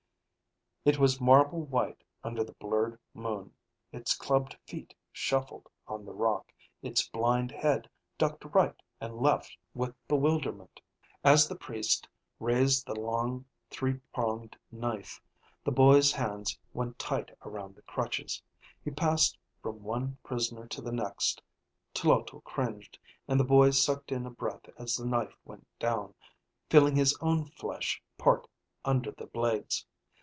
It was marble white under the blurred moon. Its clubbed feet shuffled on the rock. Its blind head ducked right and left with bewilderment. As the priest raised the long three pronged knife, the boy's hands went tight around the crutches. He passed from one prisoner to the next. Tloto cringed, and the boy sucked in a breath as the knife went down, feeling his own flesh part under the blades.